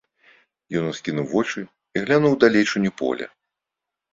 Ён ускінуў вочы і глянуў у далечыню поля.